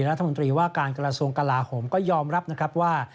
รัฐมนตรีว่าการกระทรวงกลาโหมก็ยอมรับนะครับว่า